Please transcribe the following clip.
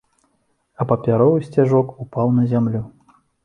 А папяровы сцяжок упаў на зямлю.